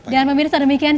dan memiliki saat demikian